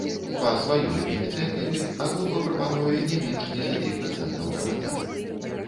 Па сваёй ініцыятыве або па прапанове не менш дзесяці працэнтаў грамадзян.